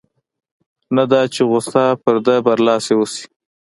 نه دا چې غوسه پر ده برلاسې اوسي.